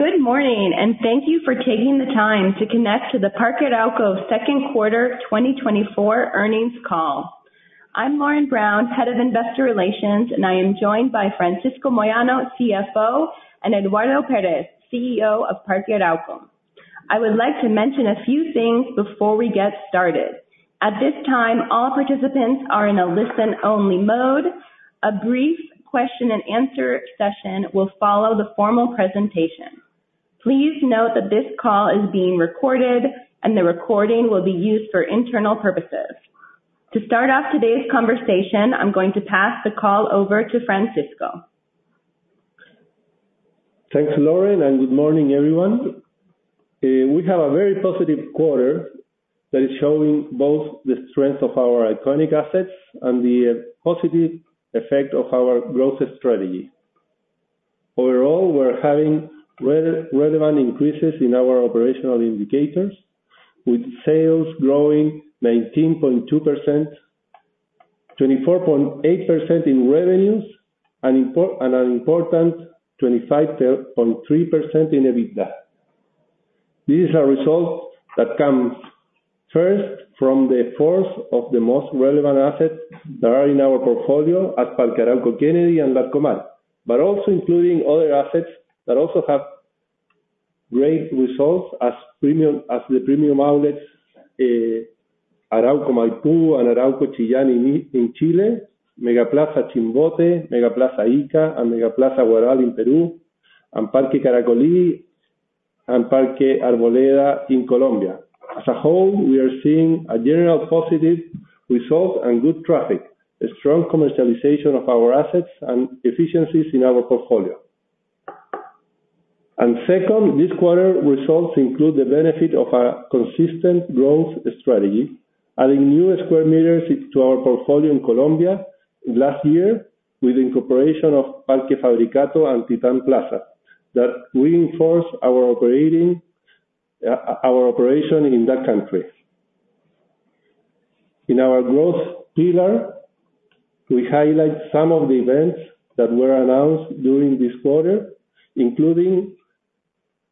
Good morning, and thank you for taking the time to connect to the Parque Arauco second quarter 2024 earnings call. I'm Lauren Brown, Head of Investor Relations, and I am joined by Francisco Moyano, CFO, and Eduardo Pérez Marchant, CEO of Parque Arauco. I would like to mention a few things before we get started. At this time, all participants are in a listen-only mode. A brief question and answer session will follow the formal presentation. Please note that this call is being recorded, and the recording will be used for internal purposes. To start off today's conversation, I'm going to pass the call over to Francisco. Thanks, Lauren, and good morning, everyone. We have a very positive quarter that is showing both the strength of our iconic assets and the positive effect of our growth strategy. Overall, we're having relevant increases in our operational indicators with sales growing 19.2%, 24.8% in revenues, and an important 25.3% in EBITDA. These are results that comes, first, from the force of the most relevant assets that are in our portfolio at Parque Arauco Kennedy and Larcomar, but also including other assets that also have great results as premium, as the premium outlets, Arauco Maipú and Arauco Chillán in Chile, MegaPlaza Chimbote, MegaPlaza Ica, and MegaPlaza Huaral in Peru, and Parque Caracolí and Parque Arboleda in Colombia. As a whole, we are seeing a general positive result and good traffic, a strong commercialization of our assets, and efficiencies in our portfolio. Second, this quarter results include the benefit of our consistent growth strategy, adding new square meters to our portfolio in Colombia last year with incorporation of Parque Fabricato and Titán Plaza that reinforce our operating, our operation in that country. In our growth pillar, we highlight some of the events that were announced during this quarter, including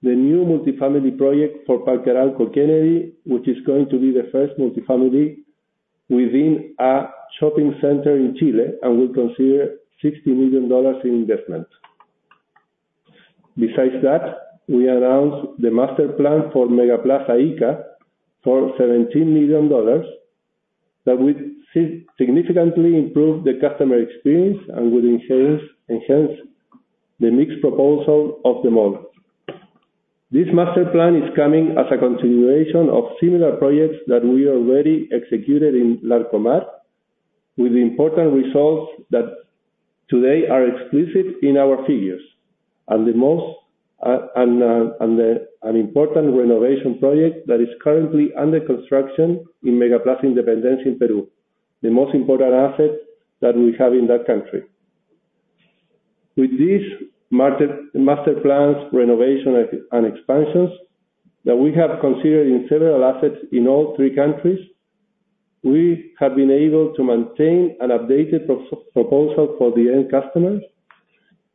the new multifamily project for Parque Arauco Kennedy, which is going to be the first multifamily within a shopping center in Chile and will consider $60 million in investment. Besides that, we announced the master plan for MegaPlaza Ica for $17 million that will significantly improve the customer experience and will enhance the mixed proposal of the mall. This master plan is coming as a continuation of similar projects that we already executed in Larcomar with important results that today are exclusive in our figures and an important renovation project that is currently under construction in MegaPlaza Independencia in Peru, the most important asset that we have in that country. With these master plans, renovation, and expansions that we have considered in several assets in all three countries, we have been able to maintain an updated proposal for the end customers,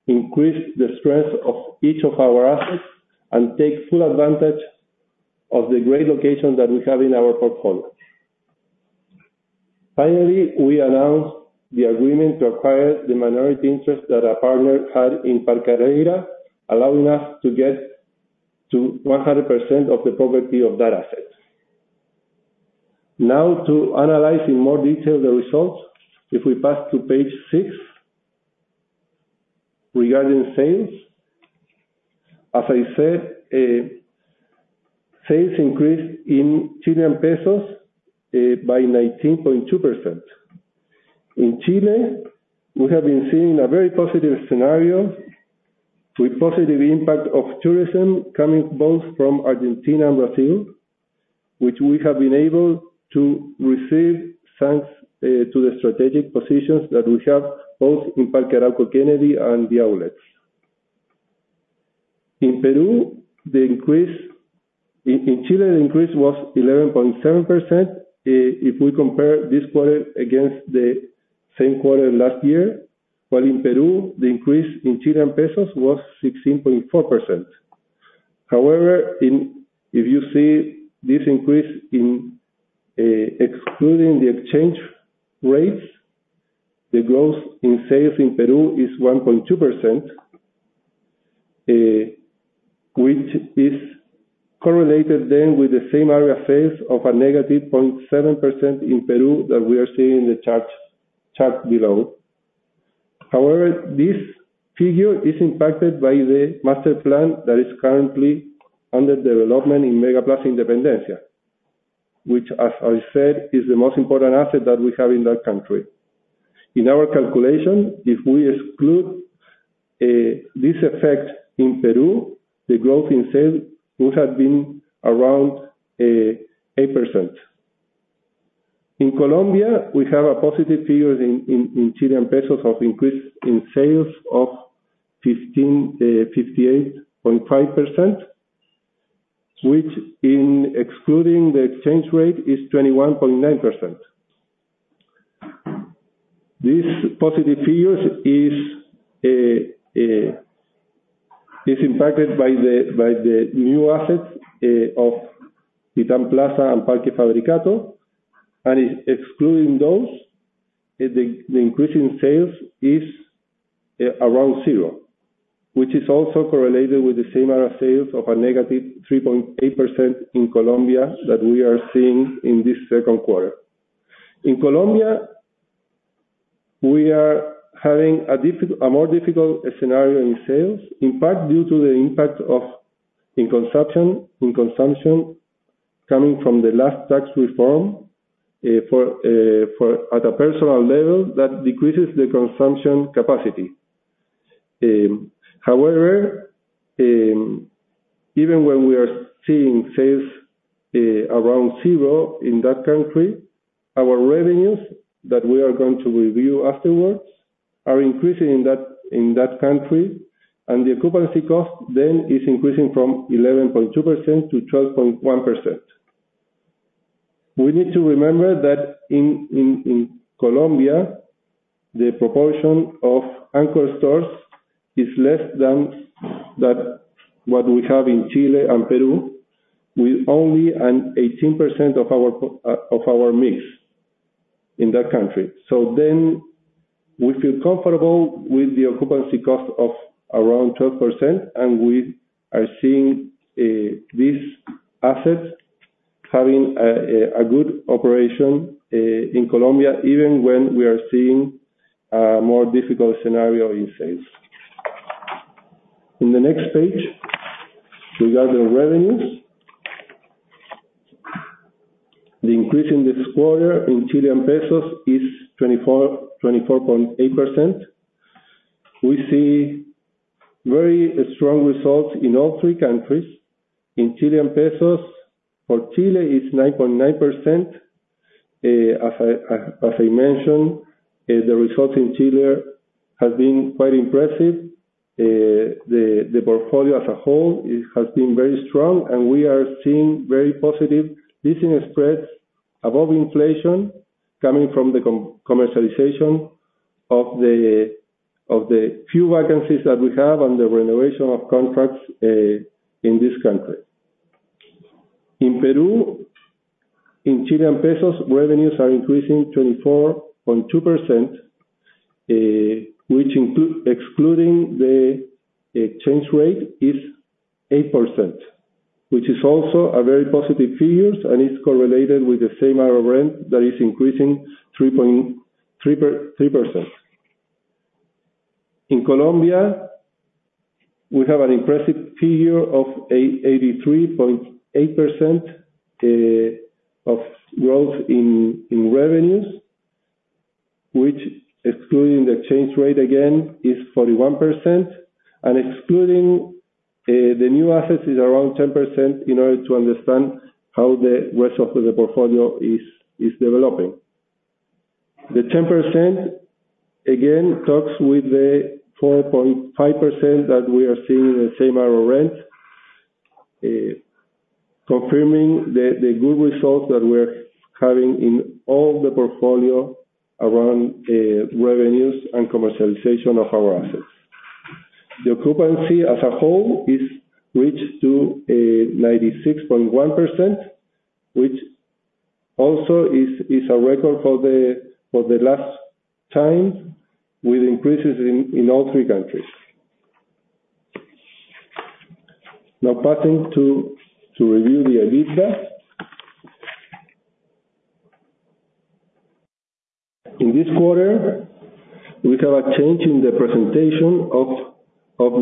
increase the strength of each of our assets, and take full advantage of the great locations that we have in our portfolio. Finally, we announced the agreement to acquire the minority interest that our partner had in Parque Reira, allowing us to get to 100% of the property of that asset. Now to analyze in more detail the results, if we pass to page six. Regarding sales, as I said, sales increased in Chilean pesos by 19.2%. In Chile, we have been seeing a very positive scenario with positive impact of tourism coming both from Argentina and Brazil, which we have been able to receive thanks to the strategic positions that we have both in Parque Arauco Kennedy and The Outlets. In Chile, the increase was 11.7%, if we compare this quarter against the same quarter last year. While in Peru, the increase in Chilean pesos was 16.4%. However, if you see this increase in, excluding the exchange rates, the growth in sales in Peru is 1.2%, which is correlated then with the same-store sales of -0.7% in Peru that we are seeing in the chart below. However, this figure is impacted by the master plan that is currently under development in MegaPlaza Independencia, which as I said, is the most important asset that we have in that country. In our calculation, if we exclude this effect in Peru, the growth in sales would have been around 8%. In Colombia, we have a positive figure in Chilean pesos of increase in sales of 58.5%, which excluding the exchange rate is 21.9%. This positive figure is impacted by the new assets of Plaza and Parque Fabricato. Excluding those, the increase in sales is around zero, which is also correlated with the same-store sales of -3.8% in Colombia that we are seeing in this second quarter. In Colombia, we are having a more difficult scenario in sales, in part due to the impact on consumption coming from the last tax reform for at a personal level, that decreases the consumption capacity. However, even when we are seeing sales around zero in that country, our revenues that we are going to review afterwards are increasing in that country, and the occupancy cost then is increasing from 11.2% to 12.1%. We need to remember that in Colombia, the proportion of anchor stores is less than that, what we have in Chile and Peru, with only an 18% of our mix in that country. We feel comfortable with the occupancy cost of around 12%, and we are seeing this asset having a good operation in Colombia, even when we are seeing a more difficult scenario in sales. In the next page, regarding revenues. The increase in this quarter in Chilean pesos is 24.8%. We see very strong results in all three countries. In Chilean pesos, for Chile is 9.9%. As I mentioned, the results in Chile has been quite impressive. The portfolio as a whole has been very strong, and we are seeing very positive leasing spreads above inflation coming from the commercialization of the few vacancies that we have and the renovation of contracts in this country. In Peru, in Chilean pesos, revenues are increasing 24.2%, excluding the exchange rate is 8%, which is also a very positive figures, and it's correlated with the same store rent that is increasing 3%. In Colombia, we have an impressive figure of 83.8% of growth in revenues, which excluding the exchange rate again, is 41%. Excluding the new assets is around 10% in order to understand how the rest of the portfolio is developing. The 10% again talks with the 4.5% that we are seeing in the same store rent, confirming the good results that we're having in all the portfolio around revenues and commercialization of our assets. The occupancy as a whole has reached 96.1%, which also is a record for the last time, with increases in all three countries. Now passing to review the EBITDA. In this quarter, we have a change in the presentation of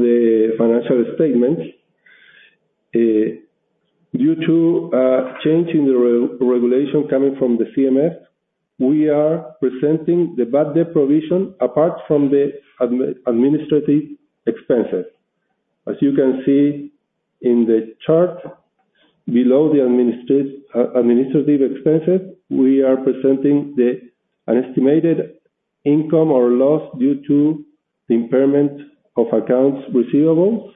the financial statements. Due to a change in the re-regulation coming from the CMF, we are presenting the bad debt provision apart from the administrative expenses. As you can see in the chart below the administrative expenses, we are presenting an estimated income or loss due to the impairment of accounts receivables,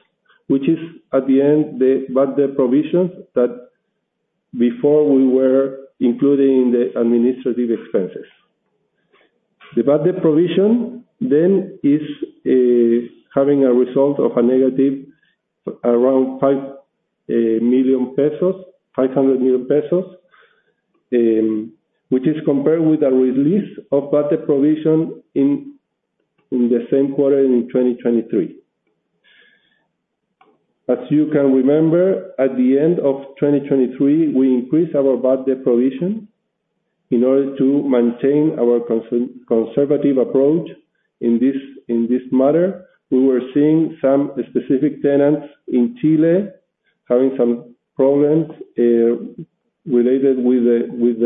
which is at the end, the bad debt provisions that before we were including in the administrative expenses. The bad debt provision then is having a result of a negative around 500 million pesos, which is compared with a release of bad debt provision in the same quarter in 2023. As you can remember, at the end of 2023, we increased our bad debt provision in order to maintain our conservative approach in this matter. We were seeing some specific tenants in Chile having some problems related with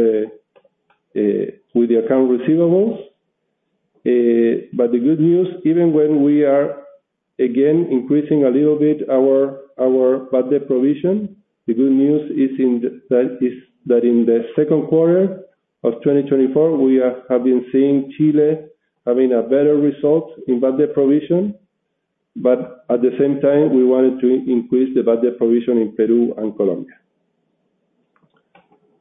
the accounts receivable. The good news, even when we are again increasing a little bit our bad debt provision, the good news is that is, in the second quarter of 2024, we have been seeing Chile having a better result in bad debt provision. At the same time, we wanted to increase the bad debt provision in Peru and Colombia.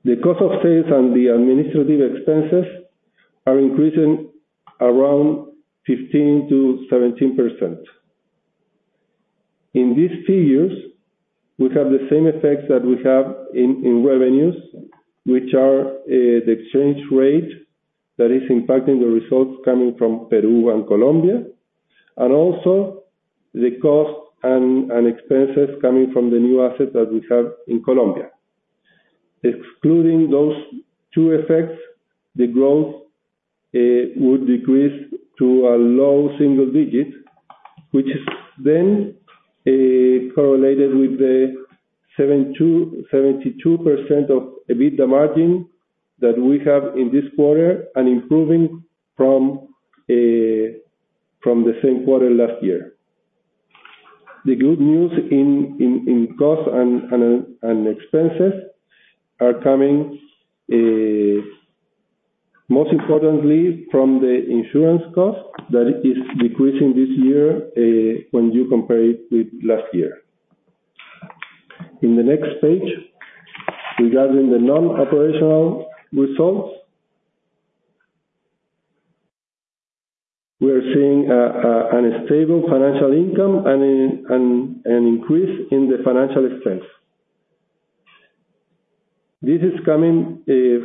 The cost of sales and the administrative expenses are increasing around 15%-17%. In these figures, we have the same effects that we have in revenues, which are the exchange rate that is impacting the results coming from Peru and Colombia, and also the cost and expenses coming from the new assets that we have in Colombia. Excluding those two effects, the growth would decrease to a low single digit, which is then correlated with the 72% EBITDA margin that we have in this quarter and improving from the same quarter last year. The good news in costs and expenses are coming most importantly from the insurance cost that is decreasing this year when you compare it with last year. In the next page, regarding the non-operational results. We are seeing a stable financial income and an increase in the financial expense. This is coming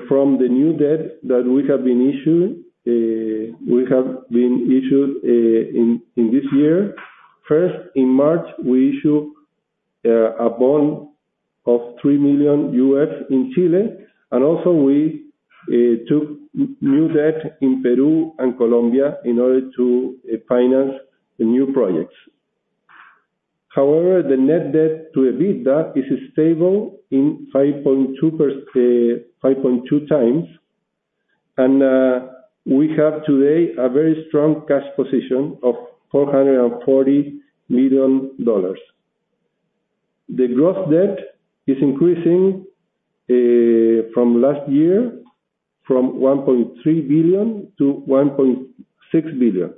from the new debt that we have been issuing in this year. First, in March, we issue a bond of $3 million in Chile, and also we took new debt in Peru and Colombia in order to finance the new projects. However, the net debt to EBITDA is stable in 5.2x. We have today a very strong cash position of $440 million. The gross debt is increasing from last year from $1.3 billion to $1.6 billion.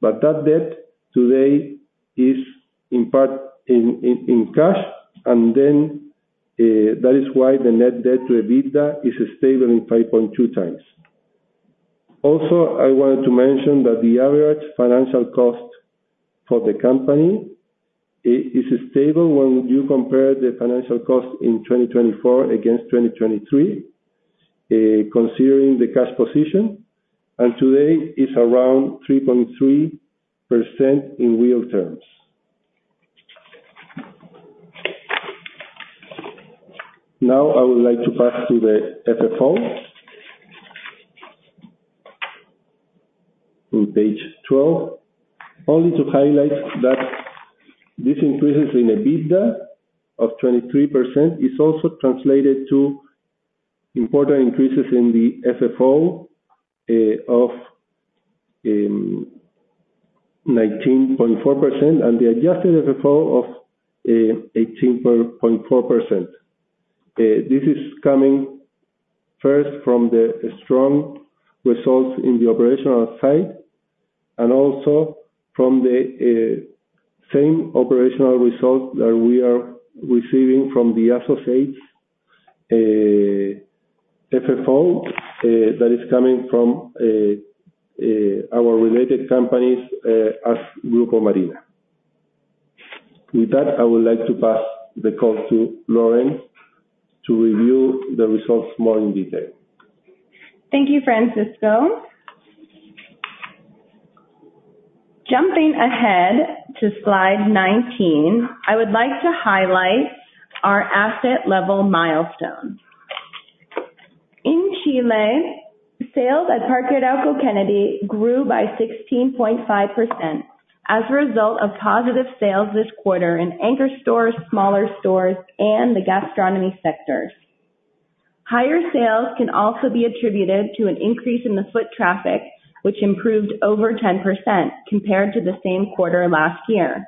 That debt today is in part in cash, and then that is why the net debt to EBITDA is stable in 5.2x. Also, I wanted to mention that the average financial cost for the company is stable when you compare the financial cost in 2024 against 2023, considering the cash position. Today is around 3.3% in real terms. Now I would like to pass to the FFO. On page 12. Only to highlight that this increase in EBITDA of 23% is also translated to important increases in the FFO of 19.4%, and the adjusted FFO of 18.4%. This is coming first from the strong results in the operational side and also from the same operational results that we are receiving from the associates FFO that is coming from our related companies, as Grupo Marina. With that, I would like to pass the call to Lauren to review the results more in detail. Thank you, Francisco. Jumping ahead to slide 19, I would like to highlight our asset level milestone. In Chile, sales at Parque Arauco Kennedy grew by 16.5% as a result of positive sales this quarter in anchor stores, smaller stores, and the gastronomy sectors. Higher sales can also be attributed to an increase in the foot traffic, which improved over 10% compared to the same quarter last year.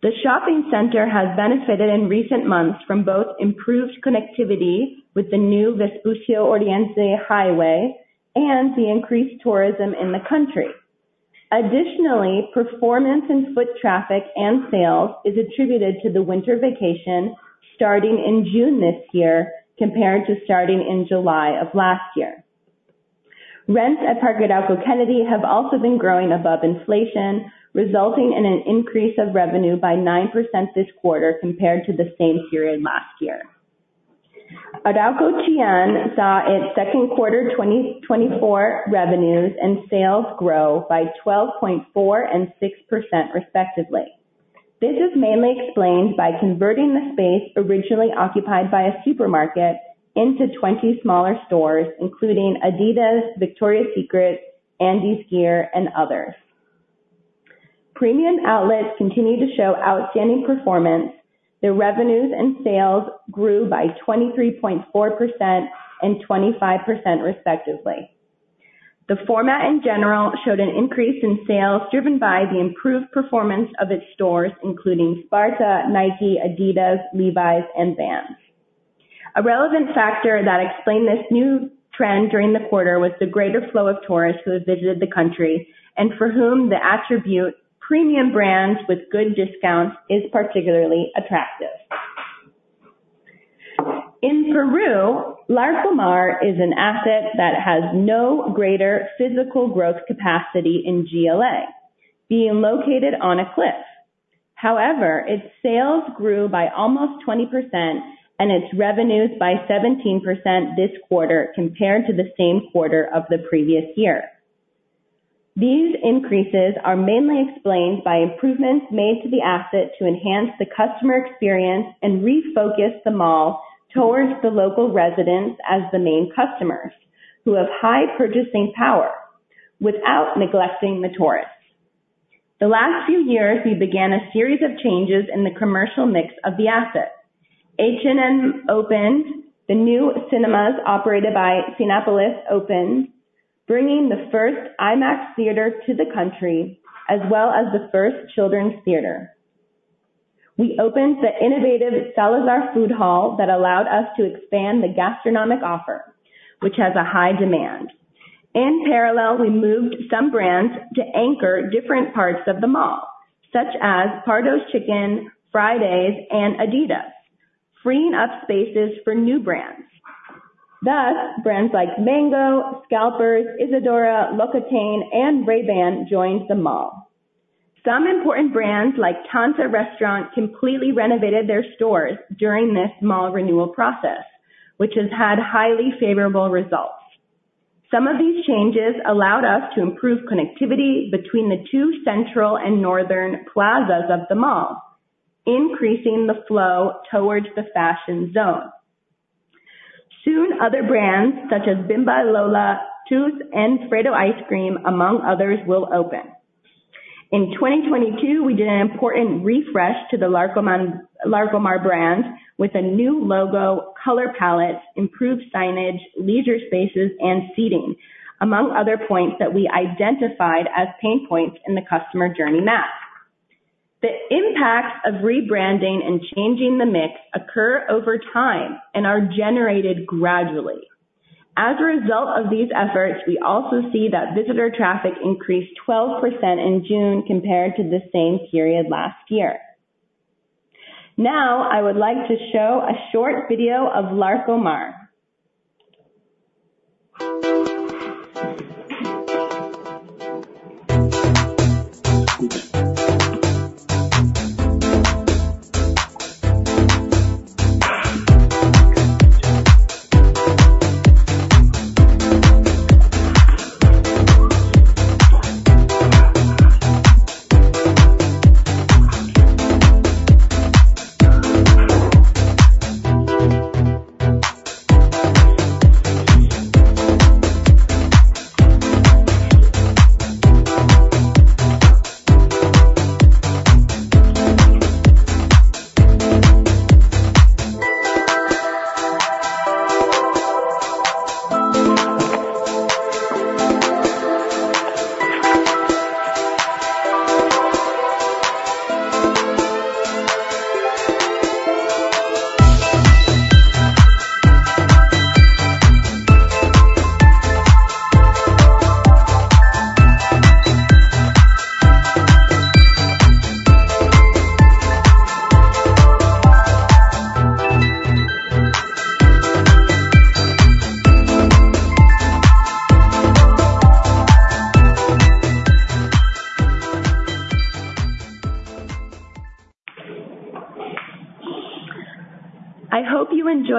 The shopping center has benefited in recent months from both improved connectivity with the new Vespucio Oriente Highway and the increased tourism in the country. Additionally, performance in foot traffic and sales is attributed to the winter vacation starting in June this year, compared to starting in July of last year. Rents at Parque Arauco Kennedy have also been growing above inflation, resulting in an increase of revenue by 9% this quarter compared to the same period last year. Arauco Chillán saw its second quarter 2024 revenues and sales grow by 12.4% and 6% respectively. This is mainly explained by converting the space originally occupied by a supermarket into 20 smaller stores, including Adidas, Victoria's Secret, Andesgear, and others. Premium outlets continue to show outstanding performance. Their revenues and sales grew by 23.4% and 25% respectively. The format in general showed an increase in sales driven by the improved performance of its stores, including Sparta, Nike, Adidas, Levi's, and Vans. A relevant factor that explained this new trend during the quarter was the greater flow of tourists who have visited the country and for whom the attribute premium brands with good discounts is particularly attractive. In Peru, Larcomar is an asset that has no greater physical growth capacity in GLA, being located on a cliff. However, its sales grew by almost 20% and its revenues by 17% this quarter compared to the same quarter of the previous year. These increases are mainly explained by improvements made to the asset to enhance the customer experience and refocus the mall towards the local residents as the main customers who have high purchasing power without neglecting the tourists. The last few years, we began a series of changes in the commercial mix of the asset. H&M opened, the new cinemas operated by Cinépolis opened, bringing the first IMAX theater to the country as well as the first children's theater. We opened the innovative Salazar Food Hall that allowed us to expand the gastronomic offer, which has a high demand. In parallel, we moved some brands to anchor different parts of the mall, such as Pardos Chicken, Fridays, and Adidas, freeing up spaces for new brands. Thus, brands like Mango, Scalpers, IsaDora, L'Occitane, and Ray-Ban joined the mall. Some important brands like Tanta Restaurant completely renovated their stores during this mall renewal process, which has had highly favorable results. Some of these changes allowed us to improve connectivity between the two central and northern plazas of the mall, increasing the flow towards the fashion zone. Soon, other brands such as Bimba y Lola, Tous, and Freddo Ice Cream, among others, will open. In 2022, we did an important refresh to the Larcomar brand with a new logo, color palette, improved signage, leisure spaces, and seating, among other points that we identified as pain points in the customer journey map. The impact of rebranding and changing the mix occur over time and are generated gradually. As a result of these efforts, we also see that visitor traffic increased 12% in June compared to the same period last year. Now, I would like to show a short video of Larcomar.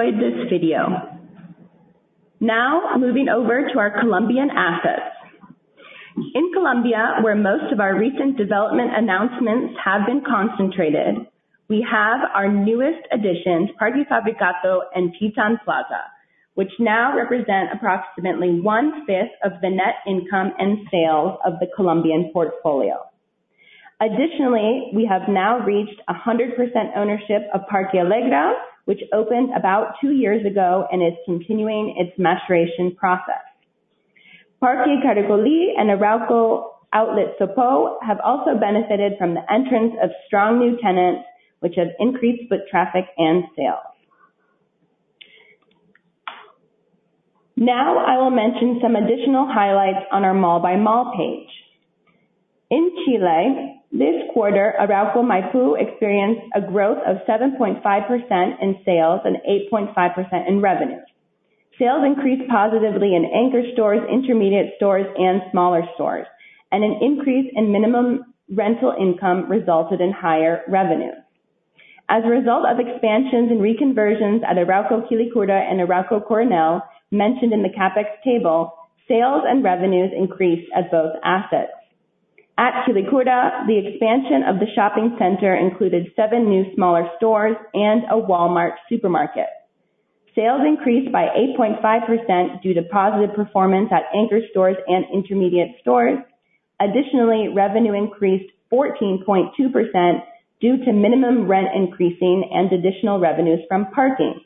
I hope you enjoyed this video. Now moving over to our Colombian assets. In Colombia, where most of our recent development announcements have been concentrated, we have our newest additions, Parque Fabricato and Titán Plaza, which now represent approximately one-fifth of the net income and sales of the Colombian portfolio. We have now reached 100% ownership of Parque Alegra, which opened about two years ago and is continuing its maturation process. Parque Caracolí and Arauco Outlet Sopó have also benefited from the entrance of strong new tenants, which have increased foot traffic and sales. Now I will mention some additional highlights on our mall-by-mall page. In Chile, this quarter, Arauco Maipú experienced a growth of 7.5% in sales and 8.5% in revenue. Sales increased positively in anchor stores, intermediate stores, and smaller stores, and an increase in minimum rental income resulted in higher revenue. As a result of expansions and reconversions at Arauco Quilicura and Arauco Coronel mentioned in the CapEx table, sales and revenues increased at both assets. At Quilicura, the expansion of the shopping center included seven new smaller stores and a Walmart supermarket. Sales increased by 8.5% due to positive performance at anchor stores and intermediate stores. Additionally, revenue increased 14.2% due to minimum rent increasing and additional revenues from parking.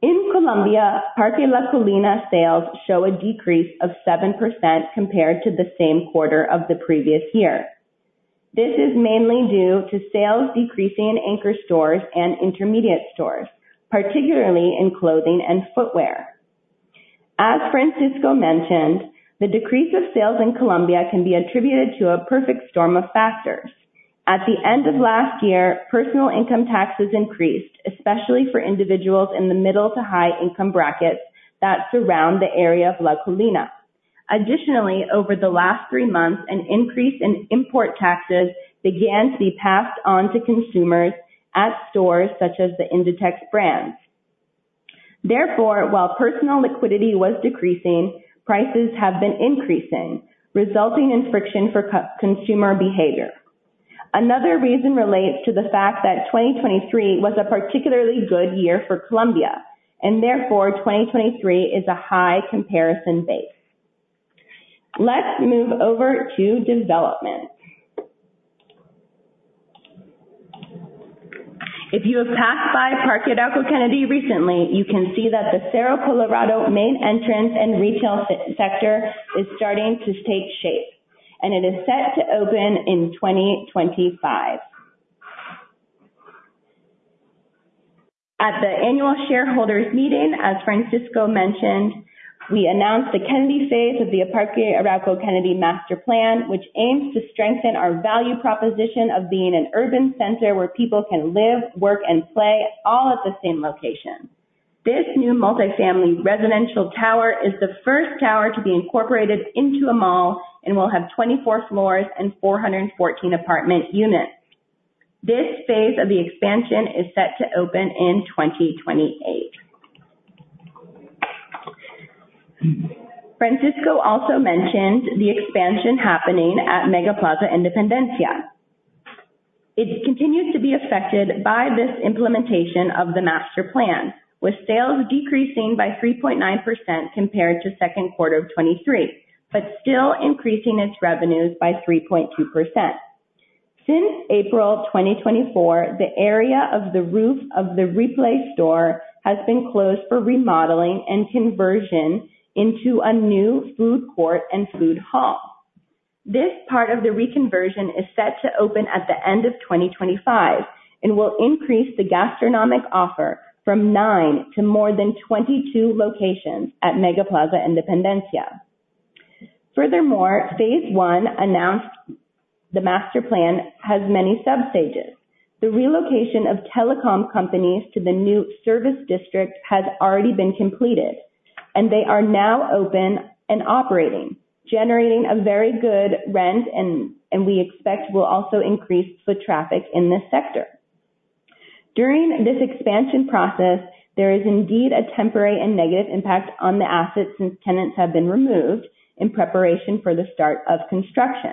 In Colombia, Parque La Colina sales show a decrease of 7% compared to the same quarter of the previous year. This is mainly due to sales decreasing in anchor stores and intermediate stores, particularly in clothing and footwear. As Francisco mentioned, the decrease of sales in Colombia can be attributed to a perfect storm of factors. At the end of last year, personal income taxes increased, especially for individuals in the middle to high income brackets that surround the area of La Colina. Additionally, over the last three months, an increase in import taxes began to be passed on to consumers at stores such as the Inditex brands. Therefore, while personal liquidity was decreasing, prices have been increasing, resulting in friction for consumer behavior. Another reason relates to the fact that 2023 was a particularly good year for Colombia, and therefore 2023 is a high comparison base. Let's move over to development. If you have passed by Parque Arauco Kennedy recently, you can see that the Cerro Colorado main entrance and retail sector is starting to take shape, and it is set to open in 2025. At the annual shareholders meeting, as Francisco mentioned, we announced the Kennedy phase of the Parque Arauco Kennedy master plan, which aims to strengthen our value proposition of being an urban center where people can live, work, and play all at the same location. This new multifamily residential tower is the first tower to be incorporated into a mall and will have 24 floors and 414 apartment units. This phase of the expansion is set to open in 2028. Francisco also mentioned the expansion happening at MegaPlaza Independencia. It continues to be affected by this implementation of the master plan, with sales decreasing by 3.9% compared to second quarter of 2023, but still increasing its revenues by 3.2%. Since April 2024, the area of the roof of the Ripley store has been closed for remodeling and conversion into a new food court and food hall. This part of the reconversion is set to open at the end of 2025 and will increase the gastronomic offer from nine to more than 22 locations at MegaPlaza Independencia. Furthermore, phase I announced the master plan has many sub-stages. The relocation of telecom companies to the new service district has already been completed, and they are now open and operating, generating a very good rent and we expect will also increase foot traffic in this sector. During this expansion process, there is indeed a temporary and negative impact on the asset since tenants have been removed in preparation for the start of construction.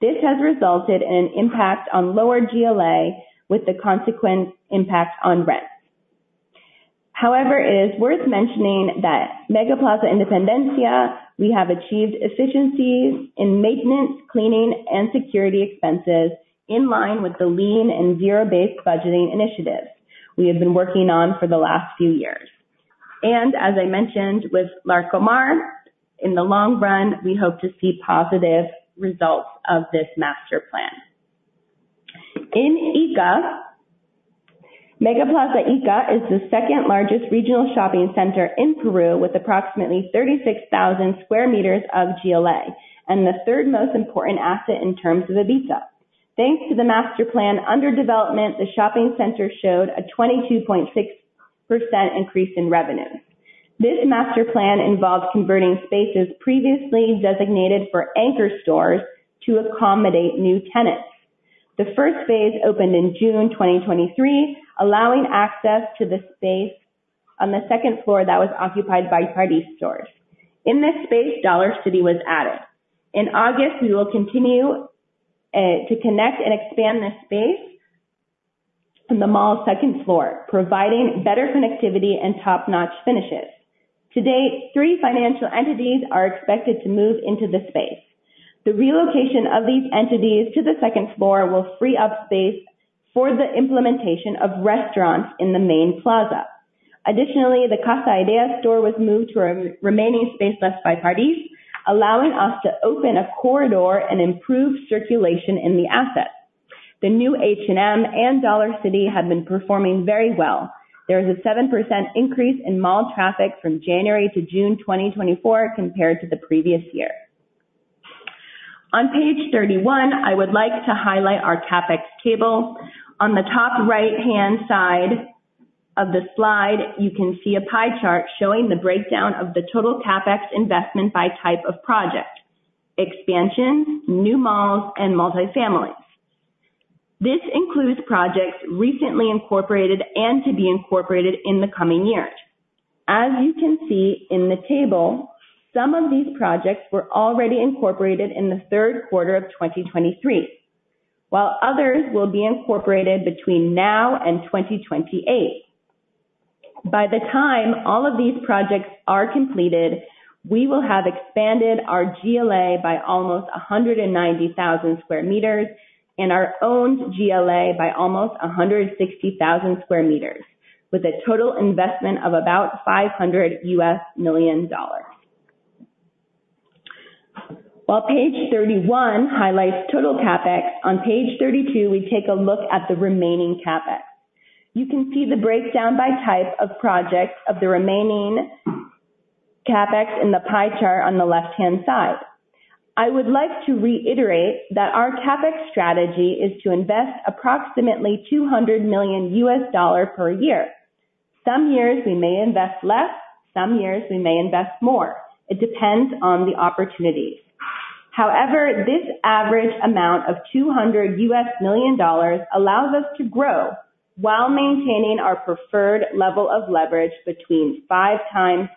This has resulted in an impact on lower GLA with the consequent impact on rents. However, it is worth mentioning that MegaPlaza Independencia, we have achieved efficiencies in maintenance, cleaning and security expenses in line with the lean and zero-based budgeting initiatives we have been working on for the last few years. As I mentioned with Larcomar, in the long run, we hope to see positive results of this master plan. In Ica, MegaPlaza Ica is the second-largest regional shopping center in Peru with approximately 36,000 sq m of GLA and the third most important asset in terms of EBITDA. Thanks to the master plan under development, the shopping center showed a 22.6% increase in revenues. This master plan involves converting spaces previously designated for anchor stores to accommodate new tenants. The first phase opened in June 2023, allowing access to the space on the second floor that was occupied by party stores. In this space, Dollar City was added. In August, we will continue to connect and expand this space on the mall's second floor, providing better connectivity and top-notch finishes. Today, three financial entities are expected to move into the space. The relocation of these entities to the second floor will free up space for the implementation of restaurants in the main plaza. Additionally, the Casaideas store was moved to a remaining space left by parties, allowing us to open a corridor and improve circulation in the asset. The new H&M and Dollar City have been performing very well. There is a 7% increase in mall traffic from January to June 2024 compared to the previous year. On page 31, I would like to highlight our CapEx table. On the top right-hand side of the slide, you can see a pie chart showing the breakdown of the total CapEx investment by type of project. Expansion, new malls, and multifamily. This includes projects recently incorporated and to be incorporated in the coming years. As you can see in the table, some of these projects were already incorporated in the third quarter of 2023, while others will be incorporated between now and 2028. By the time all of these projects are completed, we will have expanded our GLA by almost 190,000 sq m and our owned GLA by almost 160,000 sq m with a total investment of about $500 million. While page 31 highlights total CapEx, on page 32, we take a look at the remaining CapEx. You can see the breakdown by type of projects of the remaining CapEx in the pie chart on the left-hand side. I would like to reiterate that our CapEx strategy is to invest approximately $200 million per year. Some years we may invest less, some years we may invest more. It depends on the opportunities. However, this average amount of $200 million allows us to grow while maintaining our preferred level of leverage between 5x-6x.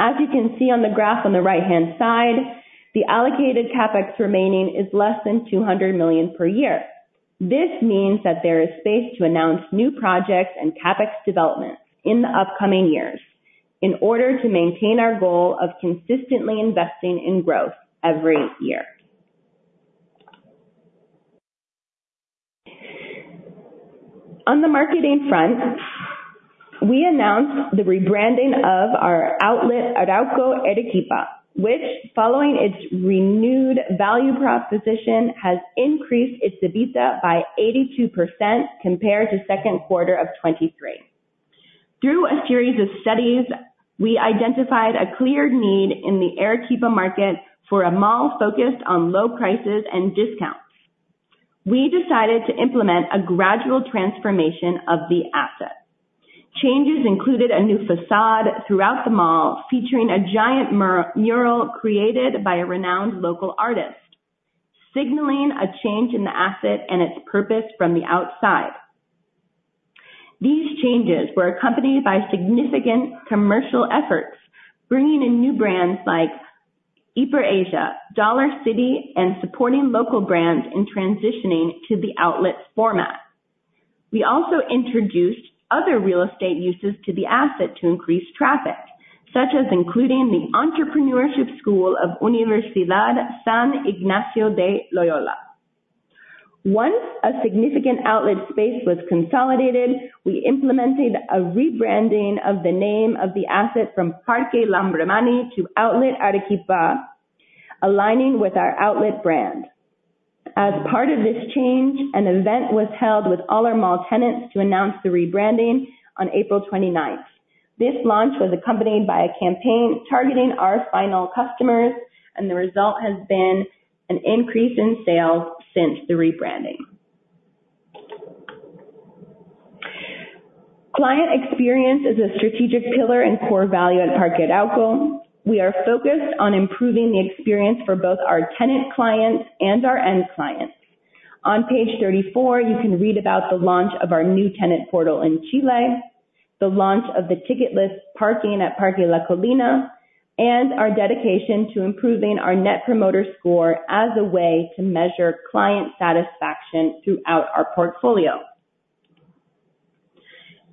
As you can see on the graph on the right-hand side, the allocated CapEx remaining is less than 200 million per year. This means that there is space to announce new projects and CapEx developments in the upcoming years in order to maintain our goal of consistently investing in growth every year. On the marketing front, we announced the rebranding of our outlet Arauco Arequipa, which following its renewed value proposition, has increased its EBITDA by 82% compared to second quarter of 2023. Through a series of studies, we identified a clear need in the Arequipa market for a mall focused on low prices and discounts. We decided to implement a gradual transformation of the asset. Changes included a new facade throughout the mall, featuring a giant mural created by a renowned local artist, signaling a change in the asset and its purpose from the outside. These changes were accompanied by significant commercial efforts, bringing in new brands like HyperAsia, Dollar City, and supporting local brands in transitioning to the outlet format. We also introduced other real estate uses to the asset to increase traffic, such as including the Entrepreneurship School of Universidad San Ignacio de Loyola. Once a significant outlet space was consolidated, we implemented a rebranding of the name of the asset from Parque Lambramani to Outlet Arequipa, aligning with our outlet brand. As part of this change, an event was held with all our mall tenants to announce the rebranding on April 29th. This launch was accompanied by a campaign targeting our final customers, and the result has been an increase in sales since the rebranding. Client experience is a strategic pillar and core value at Parque Arauco. We are focused on improving the experience for both our tenant clients and our end clients. On page 34, you can read about the launch of our new tenant portal in Chile, the launch of the ticketless parking at Parque La Colina, and our dedication to improving our Net Promoter Score as a way to measure client satisfaction throughout our portfolio.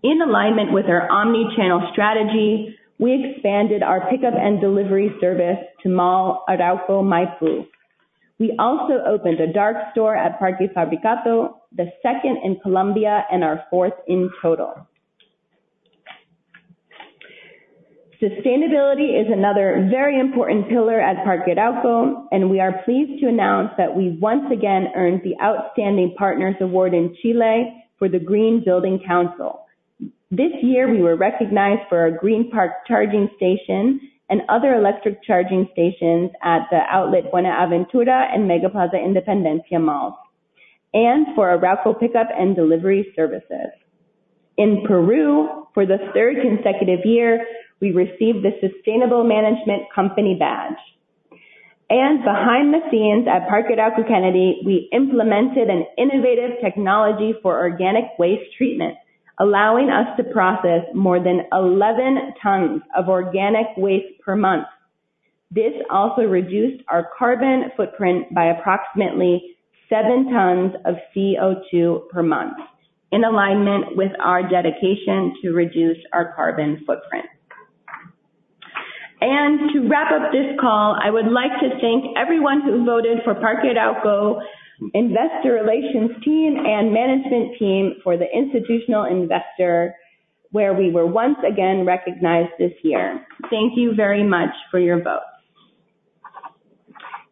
In alignment with our omni-channel strategy, we expanded our pickup and delivery service to Mall Arauco Maipú. We also opened a dark store at Parque Fabricato, the second in Colombia and our fourth in total. Sustainability is another very important pillar at Parque Arauco, and we are pleased to announce that we once again earned the Outstanding Partners Award in Chile for the Chile Green Building Council. This year, we were recognized for our Green Park charging station and other electric charging stations at the Arauco Premium Outlet Buenaventura and Megaplaza Independencia malls, and for our Arauco pickup and delivery services. In Peru, for the third consecutive year, we received the Sustainable Management Company badge. Behind the scenes at Parque Arauco Kennedy, we implemented an innovative technology for organic waste treatment, allowing us to process more than 11 tons of organic waste per month. This also reduced our carbon footprint by approximately seven tons of CO2 per month, in alignment with our dedication to reduce our carbon footprint. To wrap up this call, I would like to thank everyone who voted for Parque Arauco Investor Relations team and management team for the Institutional Investor, where we were once again recognized this year. Thank you very much for your vote.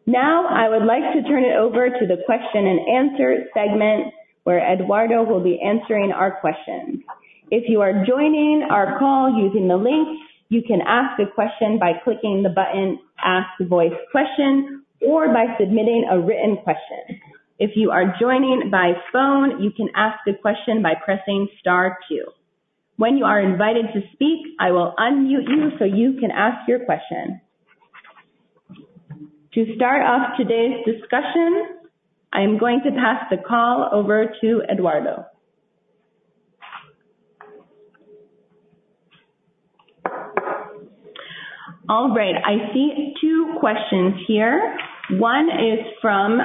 Now, I would like to turn it over to the question and answer segment, where Eduardo will be answering our questions. If you are joining our call using the link, you can ask a question by clicking the button, Ask Voice Question, or by submitting a written question. If you are joining by phone, you can ask a question by pressing star q. When you are invited to speak, I will unmute you so you can ask your question. To start off today's discussion, I am going to pass the call over to Eduardo. All right, I see two questions here. One is from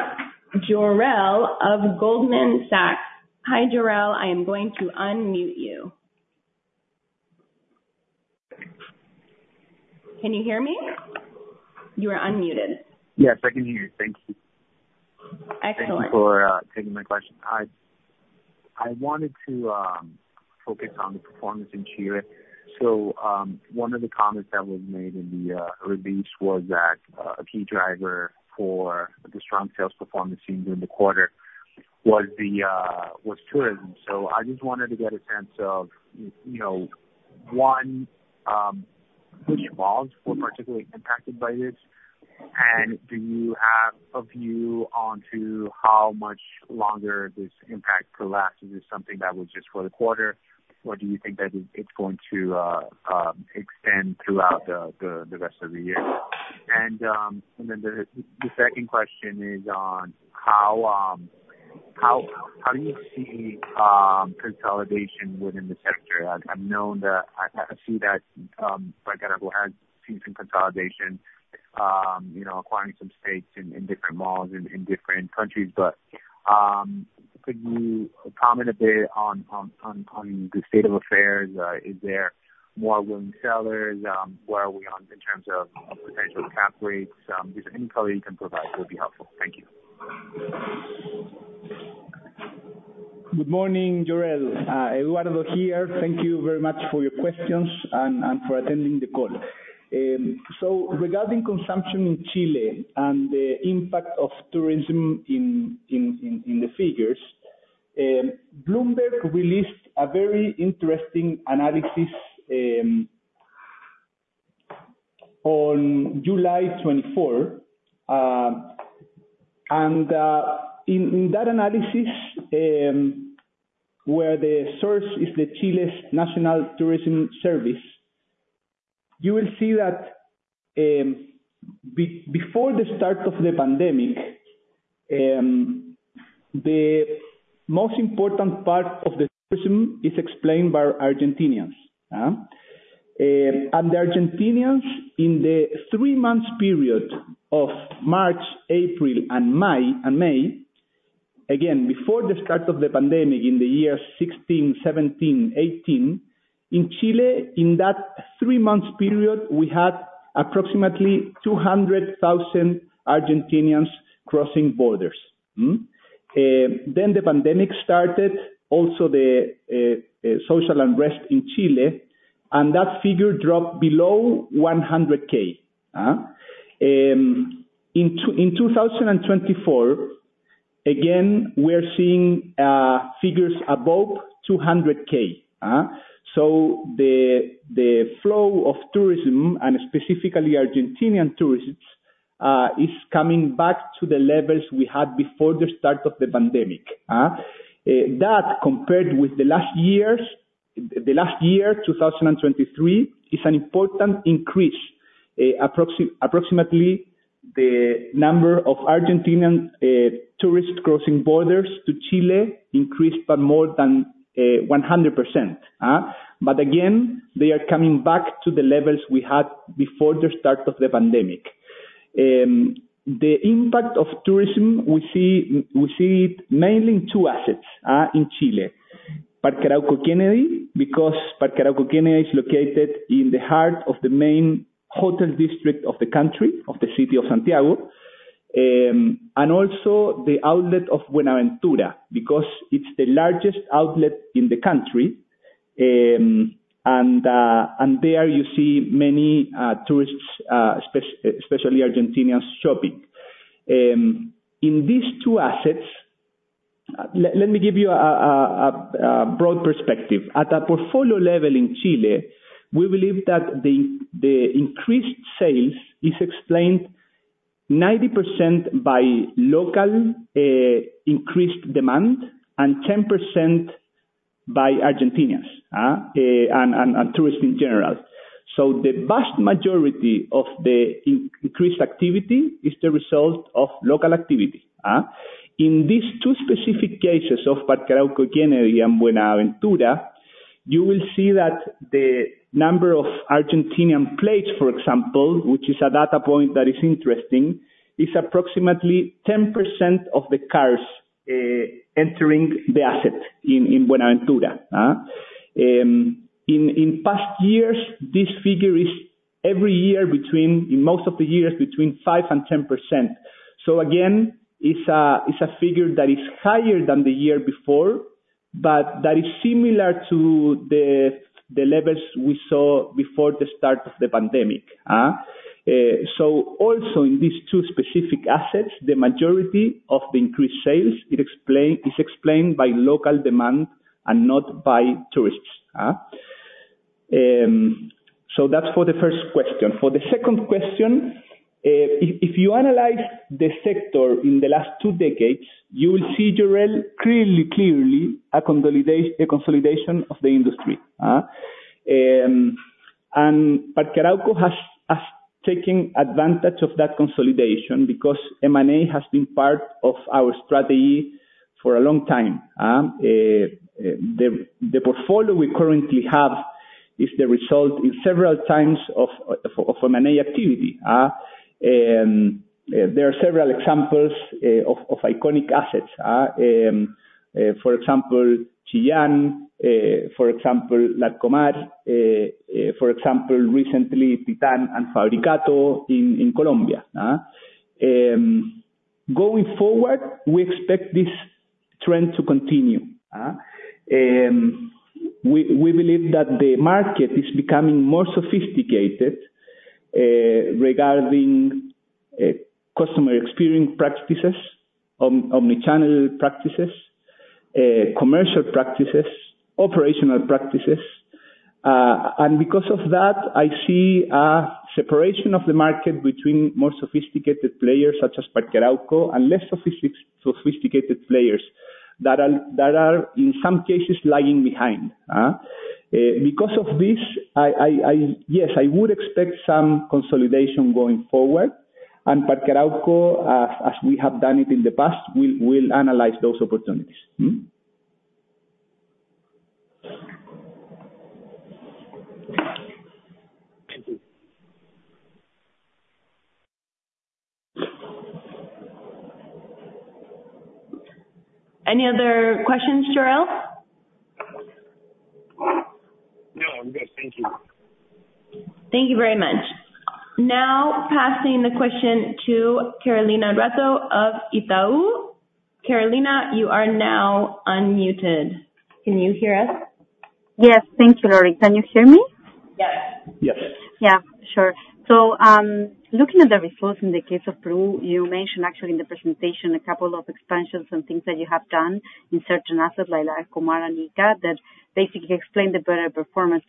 Jorel of Goldman Sachs. Hi, Jorel. I am going to unmute you. Can you hear me? You are unmuted. Yes, I can hear you. Thank you. Thanks for taking my question. I wanted to focus on the performance in Chile. One of the comments that was made in the release was that a key driver for the strong sales performance seen during the quarter was tourism. I just wanted to get a sense of, you know, one, which malls were particularly impacted by this. Do you have a view onto how much longer this impact will last? Is this something that was just for the quarter, or do you think that it's going to extend throughout the rest of the year? Then the second question is on how do you see consolidation within the sector? I've known that. I see that, like, Parque Arauco has seen some consolidation, you know, acquiring some stakes in different malls in different countries. Could you comment a bit on the state of affairs? Is there more willing sellers? Where are we now in terms of potential cap rates? Just any color you can provide will be helpful. Thank you. Good morning, Jorel. Eduardo here. Thank you very much for your questions and for attending the call. Regarding consumption in Chile and the impact of tourism in the figures, Bloomberg released a very interesting analysis on July 24th. In that analysis, where the source is Chile's National Tourism Service, you will see that before the start of the pandemic, the most important part of the tourism is explained by Argentinians. The Argentinians, in the three-month period of March, April and May, again, before the start of the pandemic in the years 2016, 2017, 2018, in Chile, in that three-month period, we had approximately 200,000 Argentinians crossing borders. The pandemic started, also the social unrest in Chile, and that figure dropped below 100K. In 2024, again, we're seeing figures above 200K. The flow of tourism, and specifically Argentinian tourists, is coming back to the levels we had before the start of the pandemic. That, compared with the last year, 2023, is an important increase. Approximately, the number of Argentinian tourists crossing borders to Chile increased by more than 100%. Again, they are coming back to the levels we had before the start of the pandemic. The impact of tourism, we see it mainly in two assets in Chile. Parque Arauco Kennedy, because Parque Arauco Kennedy is located in the heart of the main hotel district of the country, of the city of Santiago. And also Arauco Premium Outlet Buenaventura, because it's the largest outlet in the country. And there you see many tourists, especially Argentinians, shopping. In these two assets. Let me give you a broad perspective. At a portfolio level in Chile, we believe that the increased sales is explained 90% by local increased demand and 10% by Argentinians and tourists in general. The vast majority of the increased activity is the result of local activity. In these two specific cases of Parque Arauco Kennedy and Buenaventura, you will see that the number of Argentinian plates, for example, which is a data point that is interesting, is approximately 10% of the cars entering the asset in Buenaventura. In past years, this figure is every year between 5% and 10% in most of the years. Again, it's a figure that is higher than the year before, but that is similar to the levels we saw before the start of the pandemic. Also in these two specific assets, the majority of the increased sales is explained by local demand and not by tourists. That's for the first question. For the second question, if you analyze the sector in the last two decades, you will see, Jorel, clearly a consolidation of the industry. Parque Arauco has taken advantage of that consolidation because M&A has been part of our strategy for a long time. The portfolio we currently have is the result in several times of M&A activity. There are several examples of iconic assets, for example, Chillán. For example, Larcomar. For example, recently, Titan and Fabricato in Colombia. We believe that the market is becoming more sophisticated regarding customer experience practices, omni-channel practices, commercial practices, operational practices. Because of that, I see a separation of the market between more sophisticated players such as Parque Arauco and less sophisticated players that are in some cases lagging behind. Because of this, yes, I would expect some consolidation going forward. Parque Arauco, as we have done it in the past, we'll analyze those opportunities. Any other questions, Jorel? No, I'm good. Thank you. Thank you very much. Now, passing the question to Carolina Ratto of Itaú. Carolina, you are now unmuted. Can you hear us? Yes. Thank you, Lauren. Can you hear me? Yes. Yes. Yeah. Sure. Looking at the results in the case of Peru, you mentioned actually in the presentation a couple of expansions and things that you have done in certain assets like Larcomar, that basically explain the better performance.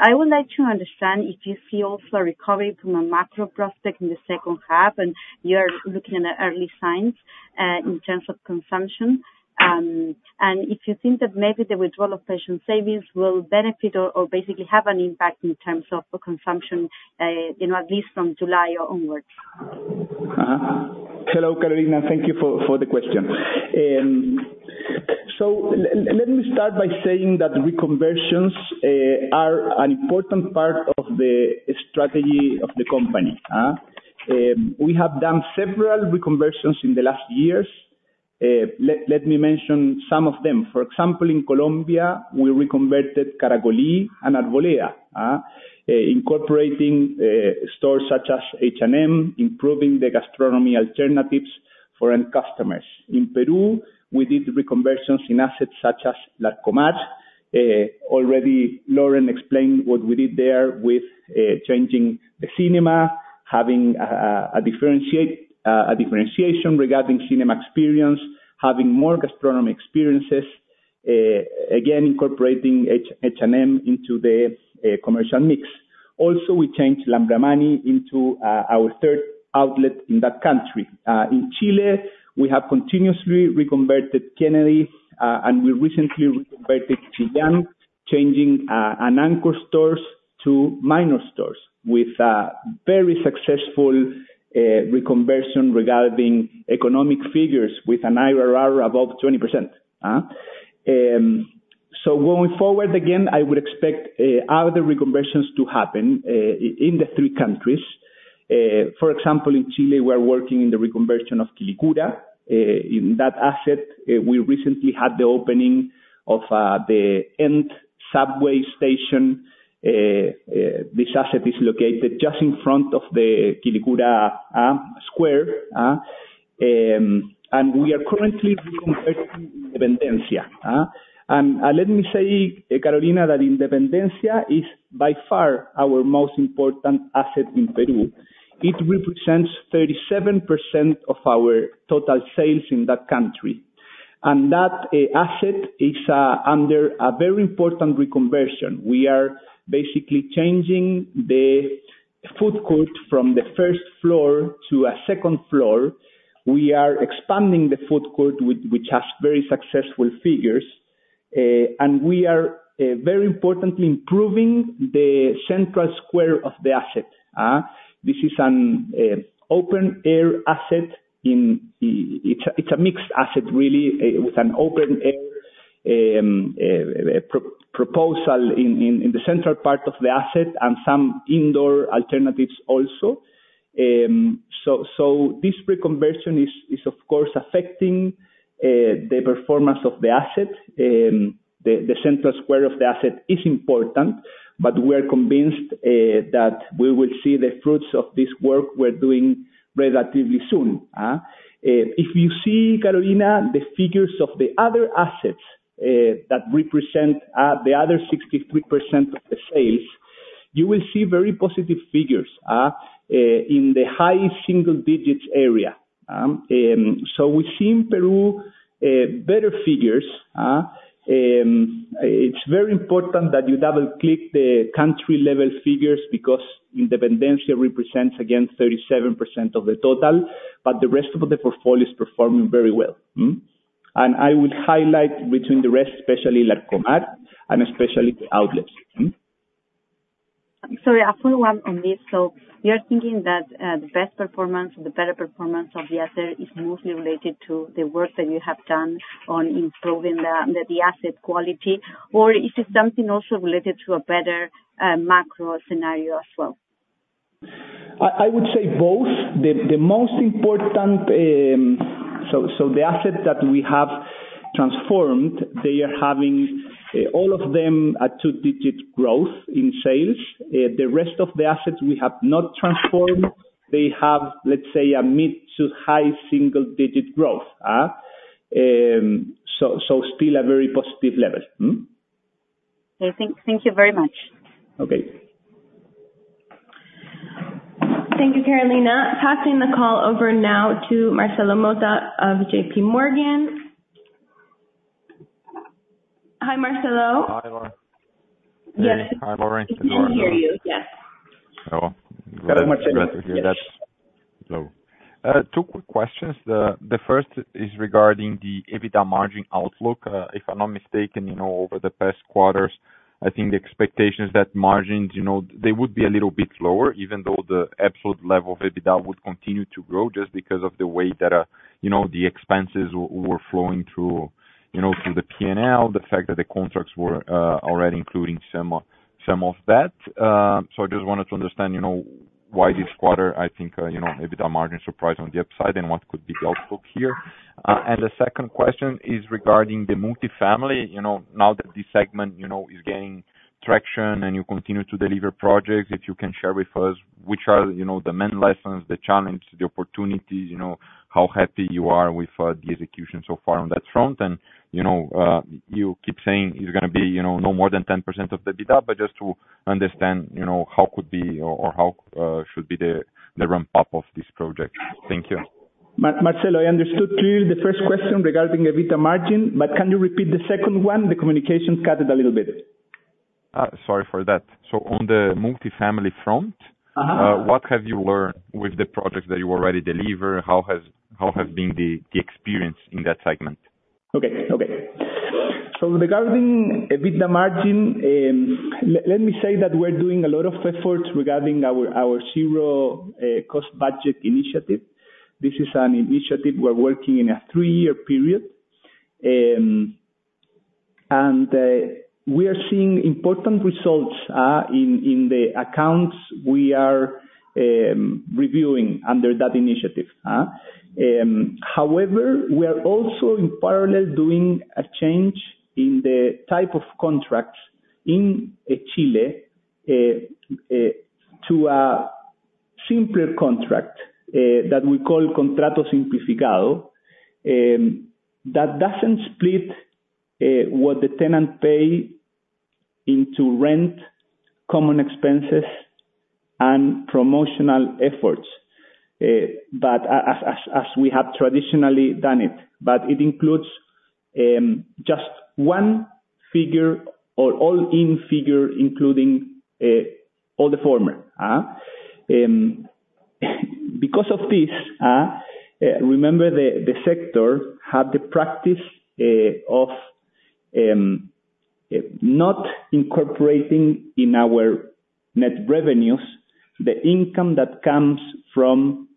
I would like to understand if you see also a recovery from a macro perspective in the second half, and you are looking at early signs in terms of consumption. And if you think that maybe the withdrawal of pension savings will benefit or basically have an impact in terms of the consumption, you know, at least from July onwards. Hello, Carolina. Thank you for the question. Let me start by saying that reconversions are an important part of the strategy of the company. We have done several reconversions in the last years. Let me mention some of them. For example, in Colombia, we reconverted Caracolí and Arboleda, incorporating stores such as H&M, improving the gastronomy alternatives for end customers. In Peru, we did reconversions in assets such as Larcomar. Lauren already explained what we did there with changing the cinema, having a differentiation regarding cinema experience, having more gastronomy experiences, again, incorporating H&M into the commercial mix. Also, we changed Lambramani into our third outlet in that country. In Chile, we have continuously reconverted Kennedy, and we recently reconverted Chillán, changing anchor stores to minor stores with a very successful reconversion regarding economic figures with an IRR above 20%. Going forward again, I would expect other reconversions to happen in the three countries. For example, in Chile, we are working in the reconversion of Quilicura. In that asset, we recently had the opening of the new subway station. This asset is located just in front of the Quilicura square. We are currently reconverting Independencia. Let me say, Carolina, that Independencia is by far our most important asset in Peru. It represents 37% of our total sales in that country. That asset is under a very important reconversion. We are basically changing the food court from the first floor to a second floor. We are expanding the food court which has very successful figures. We are very importantly improving the central square of the asset. This is an open air asset. It's a mixed asset really with an open air proposal in the central part of the asset and some indoor alternatives also. This reconversion is of course affecting the performance of the asset. The central square of the asset is important, but we're convinced that we will see the fruits of this work we're doing relatively soon. If you see, Carolina, the figures of the other assets that represent the other 63% of the sales, you will see very positive figures in the high single digits area. We see in Peru better figures. It's very important that you double-click the country level figures because Independencia represents, again, 37% of the total, but the rest of the portfolio is performing very well. I would highlight between the rest, especially Larcomar and especially the outlets. Sorry, a follow-up on this. You're thinking that the best performance or the better performance of the asset is mostly related to the work that you have done on improving the asset quality? Or is it something also related to a better macro scenario as well? I would say both. The most important, the assets that we have transformed are having all of them a two-digit growth in sales. The rest of the assets we have not transformed have, let's say, a mid- to high single-digit growth. Still a very positive level. Okay. Thank you very much. Okay. Thank you, Carolina. Passing the call over now to Marcelo Motta of JPMorgan. Hi, Marcelo. Hi, Lauren. Yes. Hi, Lauren. We can hear you, yes. Oh. Good morning. Glad to hear that. Two quick questions. The first is regarding the EBITDA margin outlook. If I'm not mistaken, you know, over the past quarters, I think the expectation is that margins, you know, they would be a little bit lower even though the absolute level of EBITDA would continue to grow just because of the way that, you know, the expenses were flowing through, you know, through the P&L. The fact that the contracts were already including some of that. I just wanted to understand, you know, why this quarter, I think, you know, EBITDA margin surprise on the upside and what could be the outlook here. The second question is regarding the multifamily. You know, now that this segment, you know, is gaining traction and you continue to deliver projects, if you can share with us, which are, you know, the main lessons, the challenge, the opportunities, you know, how happy you are with the execution so far on that front. You know, you keep saying it's gonna be, you know, no more than 10% of the data, but just to understand, you know, how could be or how should be the ramp-up of this project. Thank you. Marcelo, I understood clearly the first question regarding EBITDA margin, but can you repeat the second one? The communication cut it a little bit. Sorry for that. On the multifamily front. Uh-huh. What have you learned with the projects that you already deliver? How have been the experience in that segment? Regarding EBITDA margin, let me say that we're doing a lot of efforts regarding our zero-based budgeting initiative. This is an initiative we're working in a three-year period. We are seeing important results in the accounts we are reviewing under that initiative. However, we are also in parallel doing a change in the type of contracts in Chile to a simpler contract that we call contrato simplificado that doesn't split what the tenant pay into rent, common expenses and promotional efforts as we have traditionally done it. It includes just one figure or all-in figure, including all the former. Because of this, remember the sector had the practice of not incorporating in our net revenues the income that comes from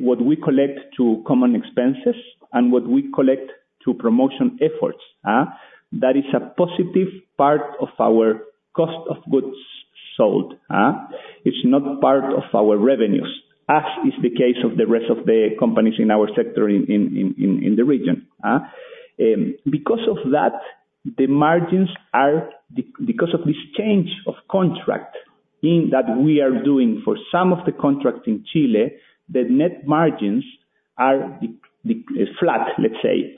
what we collect to common expenses and what we collect to promotion efforts. That is a positive part of our cost of goods sold. It's not part of our revenues, as is the case of the rest of the companies in our sector in the region. Because of that, because of this change of contract in that we are doing for some of the contracts in Chile, the net margins are flat, let's say.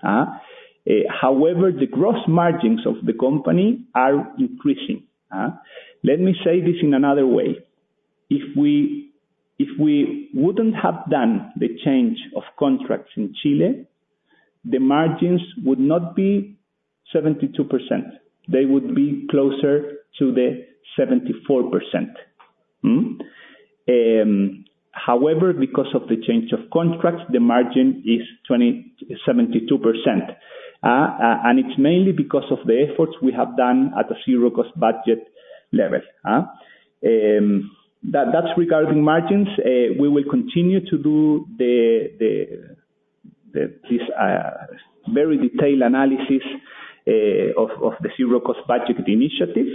However, the gross margins of the company are increasing. Let me say this in another way. If we wouldn't have done the change of contracts in Chile, the margins would not be 72%. They would be closer to the 74%. However, because of the change of contracts, the margin is 72%. And it's mainly because of the efforts we have done at the zero-based budget level. That's regarding margins. We will continue to do this very detailed analysis of the zero-based budget initiative.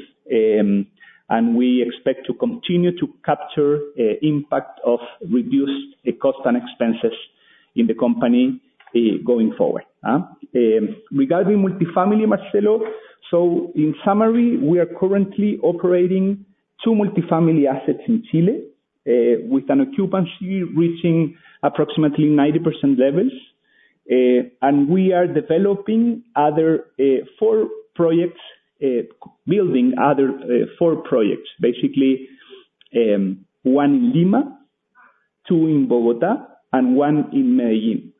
And we expect to continue to capture impact of reduced cost and expenses in the company going forward. Regarding multifamily, Marcelo, in summary, we are currently operating two multifamily assets in Chile with an occupancy reaching approximately 90% levels. And we are developing other four projects, building other four projects. Basically, one in Lima, two in Bogotá and one in Medellín,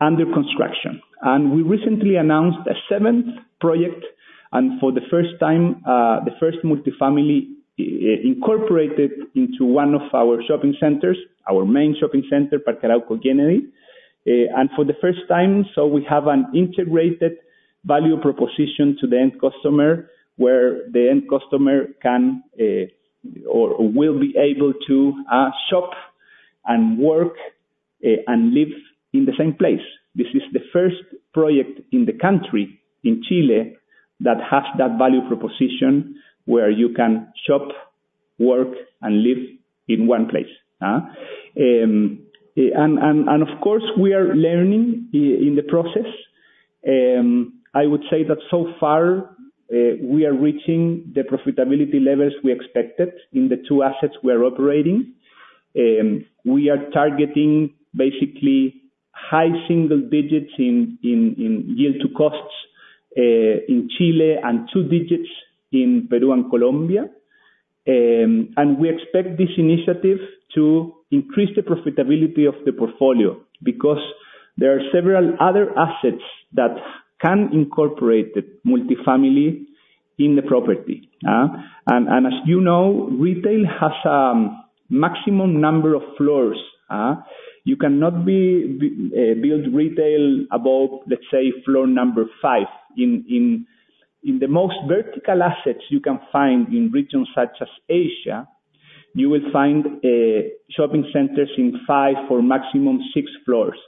under construction. We recently announced a seventh project, and for the first time, the first multifamily incorporated into one of our shopping centers, our main shopping center, Parque Arauco Quilicura. For the first time, so we have an integrated value proposition to the end customer, where the end customer can, or will be able to, shop and work and live in the same place. This is the first project in the country, in Chile, that has that value proposition, where you can shop, work and live in one place. Of course, we are learning in the process. I would say that so far, we are reaching the profitability levels we expected in the two assets we are operating. We are targeting basically high single digits in yield to costs in Chile and two digits in Peru and Colombia. We expect this initiative to increase the profitability of the portfolio because there are several other assets that can incorporate the multifamily in the property. As you know, retail has maximum number of floors. You cannot build retail above, let's say, floor number five. In the most vertical assets you can find in regions such as Asia, you will find shopping centers in five or maximum six floors.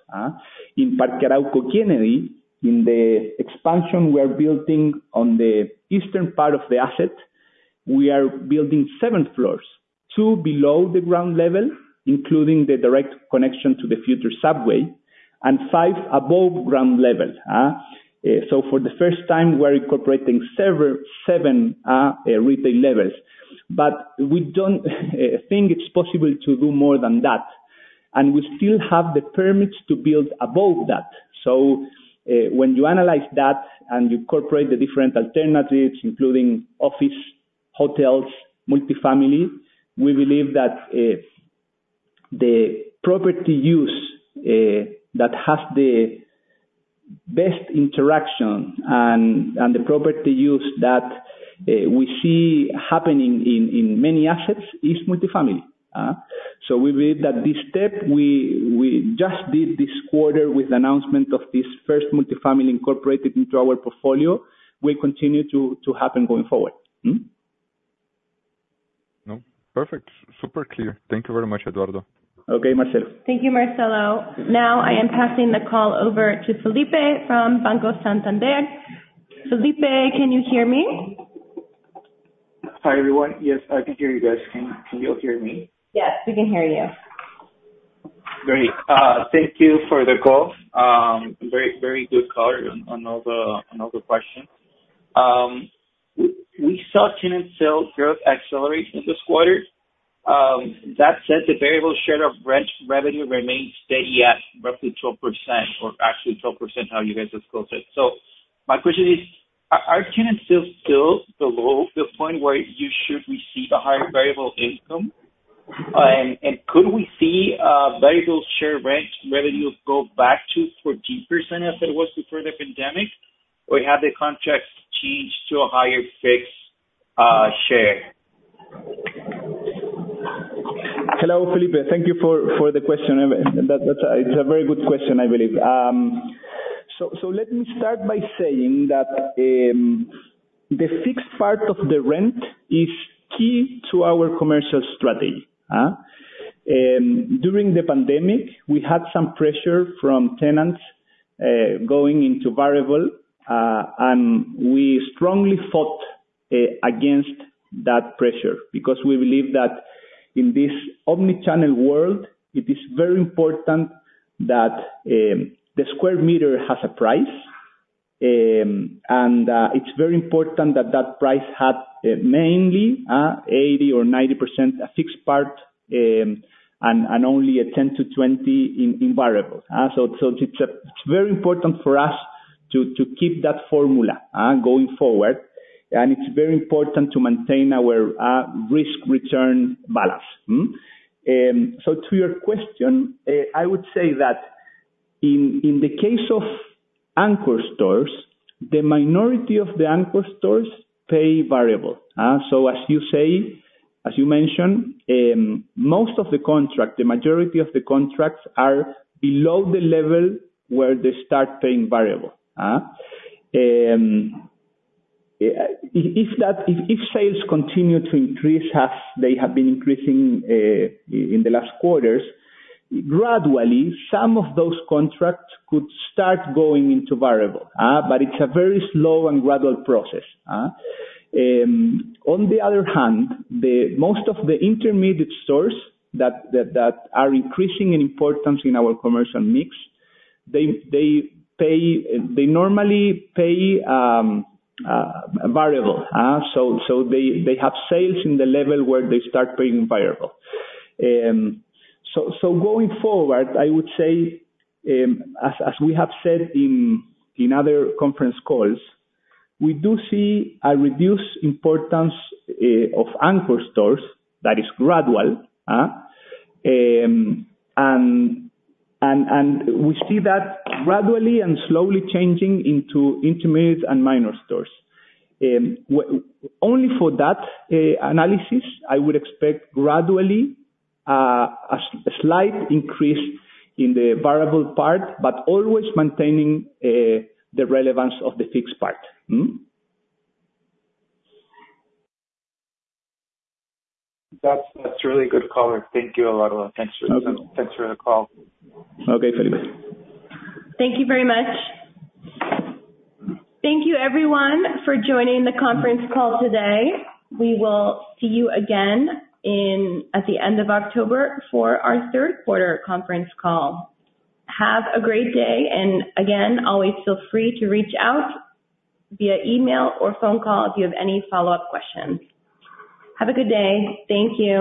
In Parque Arauco Kennedy, in the expansion we are building on the eastern part of the asset, we are building seven floors, two below the ground level, including the direct connection to the future subway, and five above ground level. For the first time, we're incorporating seven retail levels. We don't think it's possible to do more than that, and we still have the permits to build above that. When you analyze that and you incorporate the different alternatives, including office, hotels, multifamily, we believe that the property use that has the best interaction and the property use that we see happening in many assets is multifamily. We believe that this step we just did this quarter with the announcement of this first multifamily incorporated into our portfolio will continue to happen going forward. No. Perfect. Super clear. Thank you very much, Eduardo. Okay, Marcelo. Thank you, Marcelo. Now, I am passing the call over to Felipe from Banco Santander. Felipe, can you hear me? Hi, everyone. Yes, I can hear you guys. Can you hear me? Yes, we can hear you. Great. Thank you for the call. Very, very good color on all the questions. We saw tenant sales growth accelerate this quarter. That said, the variable share of rent revenue remains steady at roughly 12% or actually 12% how you guys disclose it. My question is, are tenants still below the point where you should receive a higher variable income? And could we see variable share rent revenues go back to 14% as it was before the pandemic, or have the contracts changed to a higher fixed share? Hello, Felipe. Thank you for the question. It's a very good question, I believe. Let me start by saying that the fixed part of the rent is key to our commercial strategy. During the pandemic, we had some pressure from tenants going into variable, and we strongly fought against that pressure because we believe that in this omni-channel world, it is very important that the sq m has a price. It's very important that that price had mainly 80% or 90% a fixed part, and only 10%-20% in variable. It's very important for us to keep that formula going forward, and it's very important to maintain our risk-return balance. To your question, I would say that in the case of anchor stores, the minority of the anchor stores pay variable. As you say, as you mentioned, the majority of the contracts are below the level where they start paying variable. If sales continue to increase as they have been increasing in the last quarters, gradually, some of those contracts could start going into variable. It's a very slow and gradual process. On the other hand, most of the intermediate stores that are increasing in importance in our commercial mix, they normally pay variable. They have sales at the level where they start paying variable. Going forward, I would say, as we have said in other conference calls, we do see a reduced importance of anchor stores that is gradual. We see that gradually and slowly changing into intermediate and minor stores. Only for that analysis, I would expect gradually a slight increase in the variable part, but always maintaining the relevance of the fixed part. That's really good color. Thank you, Eduardo. Thanks for the call. Okay, Felipe. Thank you very much. Thank you everyone for joining the conference call today. We will see you again at the end of October for our third quarter conference call. Have a great day, and again, always feel free to reach out via email or phone call if you have any follow-up questions. Have a good day. Thank you.